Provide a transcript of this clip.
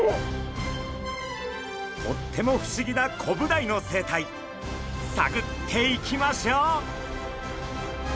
とっても不思議なコブダイの生態さぐっていきましょう！